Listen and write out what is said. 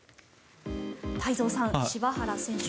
太蔵さん、柴原選手